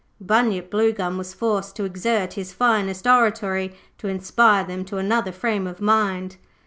Bunyip Bluegum was forced to exert his finest oratory to inspire them to another frame of mind.